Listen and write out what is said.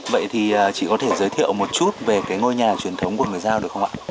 vậy thì chị có thể giới thiệu một chút về cái ngôi nhà truyền thống của người giao được không ạ